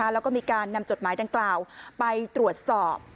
แล้วก็มีการนำจดหมายดังกล่าวไปตรวจสอบ